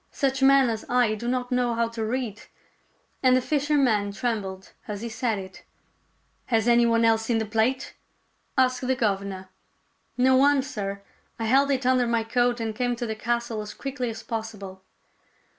Such men as I do not know, how to read ;" and the fisherman trembled as he said it. " Has any one else seen the plate ?" asked the governor. " No one, sir. I held it under my coat and came to the castle as quickly as possible."